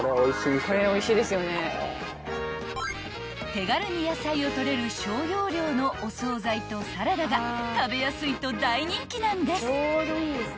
［手軽に野菜を取れる小容量のお総菜とサラダが食べやすいと大人気なんです］